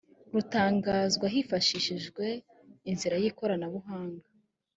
rutangazwa hifashishijwe inzira y ikoranabuhanga